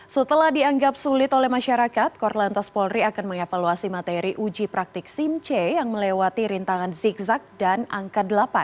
setelah dianggap sulit oleh masyarakat korlantas polri akan mengevaluasi materi uji praktik simc yang melewati rintangan zigzag dan angka delapan